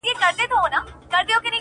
کندهار کي خو هوا نن د پکتيا ده،